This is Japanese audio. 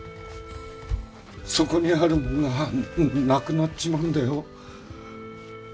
そこにあるもんがなくなっちまうんだよ。